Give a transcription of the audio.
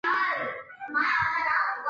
他因为玄宗作祭祀词而得圣宠。